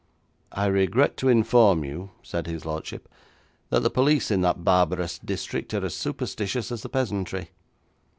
'I regret to inform you,' said his lordship, 'that the police in that barbarous district are as superstitious as the peasantry.